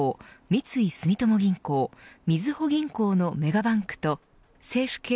三井住友銀行みずほ銀行のメガバンクと政府系